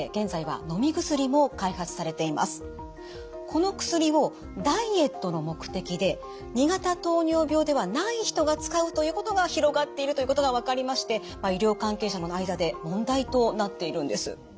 この薬をダイエットの目的で２型糖尿病ではない人が使うということが広がっているということが分かりまして医療関係者の間で問題となっているんです。